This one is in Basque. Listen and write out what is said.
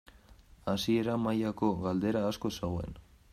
Hasiera mailako galdera asko zegoen.